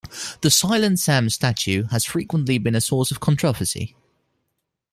The Silent Sam statue has frequently been a source of controversy.